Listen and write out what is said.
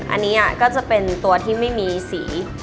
อันนี้ก็จะเป็นตัวที่ไม่มีสี